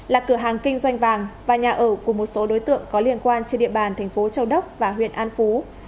là cửa hàng kinh doanh vàng và nhà ở của một số đối tượng có liên quan trên địa bàn thành phố châu đốc và huyện an phú